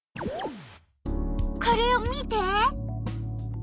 これを見て！